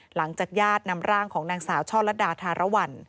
หลังจากญาตินำร่างของนางสาวช่อลัดดาธารวรรณ